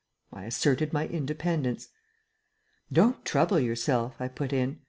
I asserted my independence. "Don't trouble yourself," I put in.